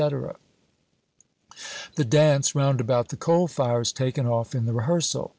_ The dance "round about the coal fire" is taken off in the Rehearsal.